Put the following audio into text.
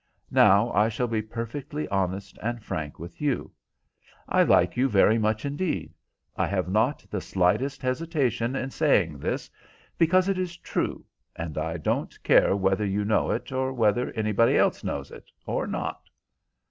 Now, I shall be perfectly honest and frank with you. I like you very much indeed. I have not the slightest hesitation in saying this, because it is true, and I don't care whether you know it, or whether anybody else knows it or not."